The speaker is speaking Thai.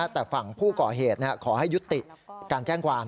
แต่ฝั่งผู้ก่อเหตุขอให้ยุติการแจ้งความ